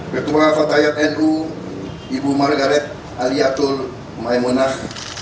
ketua fatayat nu ibu margaret aliatul maimunah